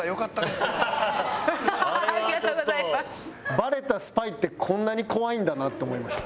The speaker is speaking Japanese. バレたスパイってこんなに怖いんだなって思いました。